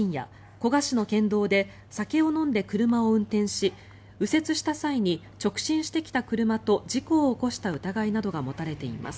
古河市の県道で酒を飲んで車を運転し右折した際に直進してきた車と事故を起こした疑いなどが持たれています。